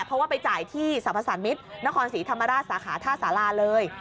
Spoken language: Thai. เพราะว่าไปจ่ายที่สรรพสารมิตรนครศรีธรรมราชสาขาท่าสาราเลย